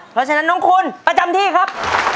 เพราะฉะนั้นน้องคุณประจำที่ครับ